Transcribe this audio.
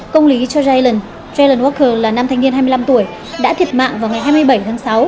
công lý george allen allen walker là nam thanh niên hai mươi năm tuổi đã thiệt mạng vào ngày hai mươi bảy tháng sáu